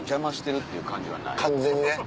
完全にね。